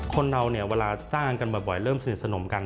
คนเราเวลาจ้างงานกันบ่อยเริ่มสนิทสนมกัน